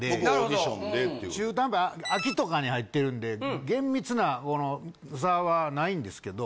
中途半端秋とかに入ってるんで厳密な差はないんですけど。